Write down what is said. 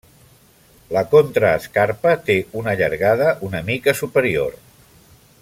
La contraescarpa té una llargada una mica superior.